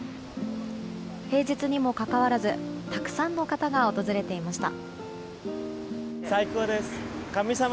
平日にもかかわらずたくさんの方が訪れていました。